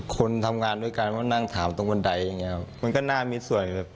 คนทำงานด้วยกันมานั่งถามตรงบันไดอย่างเงี้ครับมันก็น่ามีสวยแบบ